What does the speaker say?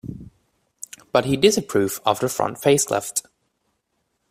But he disapproved of the front facelift.